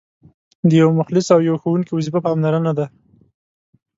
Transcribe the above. د یو مخلص او پوه ښوونکي وظیفه پاملرنه ده.